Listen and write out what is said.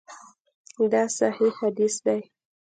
دا صحیح حدیث دی.